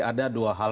ada dua hal